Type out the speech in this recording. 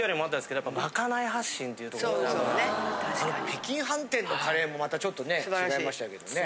北京飯店のカレーもまたちょっとね違いましたけどね。